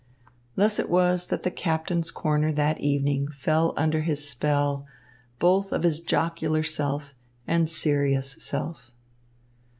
Thus it was that the captain's corner that evening fell under his spell, both of his jocular self and serious self.